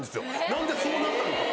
何でそうなったのか。